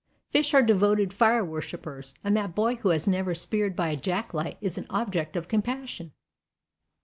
Fish are devoted fire worshippers, and that boy who has never speared by a jack light is an object of compassion.